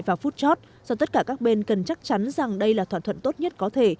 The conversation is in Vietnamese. vào phút chót do tất cả các bên cần chắc chắn rằng đây là thỏa thuận tốt nhất có thể